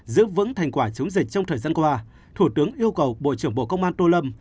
giữ vững thành quả chống dịch trong thời gian qua thủ tướng yêu cầu bộ trưởng bộ công an tô lâm